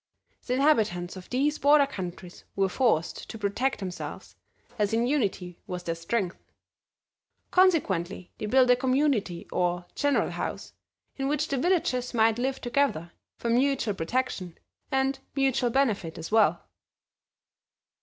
The inhabitants of these border countries were forced to protect themselves, as in unity was their strength. Consequently, they built a Community or General House in which the villagers might live together for mutual protection, and mutual benefit as well."